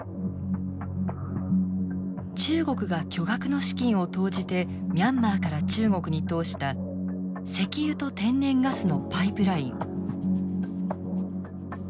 中国が巨額の資金を投じてミャンマーから中国に通した石油と天然ガスのパイプライン。